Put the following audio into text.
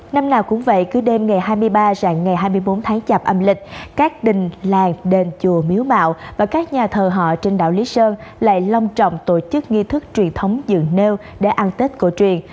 năm nào cũng vậy cứ đêm ngày hai mươi ba dạng ngày hai mươi bốn tháng chạp âm lịch các đình làng đền chùa miếu mạo và các nhà thờ họ trên đảo lý sơn lại long trọng tổ chức nghi thức truyền thống dường nêu để ăn tết cổ truyền